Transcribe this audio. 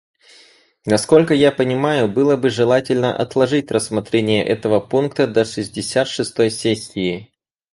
Насколько я понимаю, было бы желательно отложить рассмотрение этого пункта до шестьдесят шестой сессии.